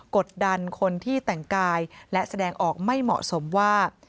กดดันคนที่แต่งกายและแสดงออกไม่เหมาะสมว่า